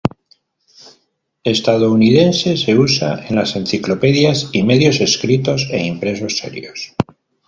Estadounidense se usa en las enciclopedias y medios escritos e impresos serios.